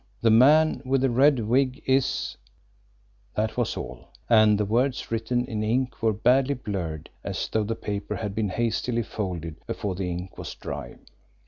The man with the red wig is " That was all, and the words, written in ink, were badly blurred, as though the paper had been hastily folded before the ink was dry.